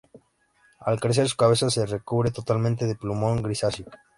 Al crecer su cabeza se recubre totalmente de plumón grisáceo.